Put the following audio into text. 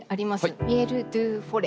「ミエル・ドゥ・フォレ」。